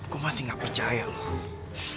gue masih nggak percaya lo